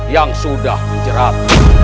yang sudah menjerat